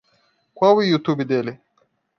Qual o YouTube dele?